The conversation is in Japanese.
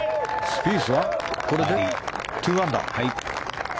スピースはこれで２アンダー。